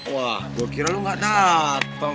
wah gue kira lu gak dateng